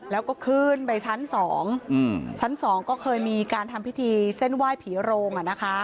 แล้วก็ขึ้นไปชั้น๒ชั้น๒ก็เคยมีการทำพิธีเส้นไหว้ผีโรง